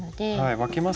分けます？